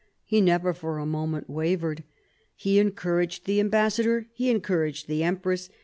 He never for a moment wavered. He en couraged the ambassador, he encouraged the empress.